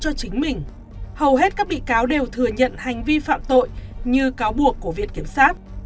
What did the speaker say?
hầu hết các bị cáo đều thừa nhận hành vi phạm tội như cáo buộc của việc kiểm soát